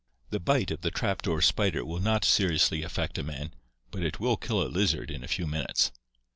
The bite of the trap door spider will not seriously affect a man, but it will kill a lizard in a few minutes.